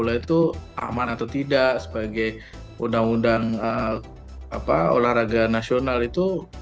itu aman atau tidak sebagai undang undang olahraga nasional itu